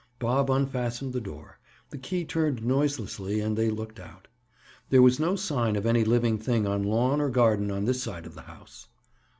Bob unfastened the door, the key turned noiselessly and they looked out. There was no sign of any living thing on lawn or garden on this side of the house.